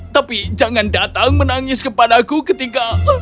tapi jangan datang menangis kepadaku ketika